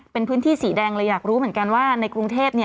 เป็นพื้นที่สีแดงเลยอยากรู้เหมือนกันว่าในกรุงเทพ